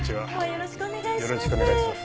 よろしくお願いします。